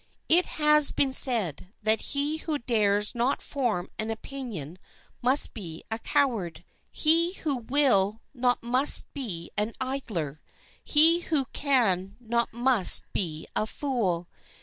It has been said that he who dares not form an opinion must be a coward; he who will not must be an idler; he who can not must be a fool.